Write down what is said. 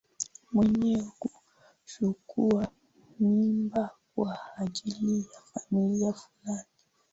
Mwenye kuchukua mimba kwa ajili ya familia fulani